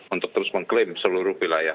untuk terus mengklaim seluruh wilayah